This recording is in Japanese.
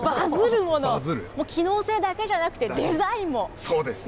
機能性だけじゃなくて、デザインも。